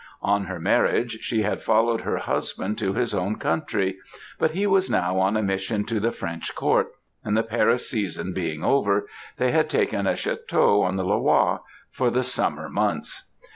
On her marriage, she had followed her husband to his own country; but he was now on a mission to the French court; and the Paris season being over, they had taken a château on the Loire, for the summer months.